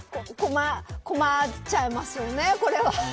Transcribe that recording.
困っちゃいますよね、これは。